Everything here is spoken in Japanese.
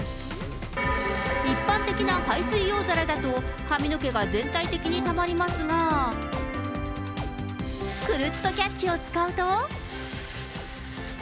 一般的な排水用皿だと髪の毛が全体的にたまりますが、くるっとキャッチを使うと。